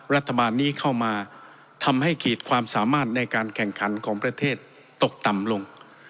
รัฐบาลนี้เข้ามาทำให้ขีดความสามารถในการแข่งขันของประเทศตกต่ำลง